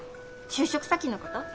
就職先のこと？